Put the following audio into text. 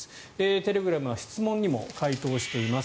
テレグラムは質問にも回答しています。